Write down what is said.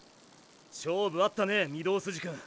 勝負あったね御堂筋くん。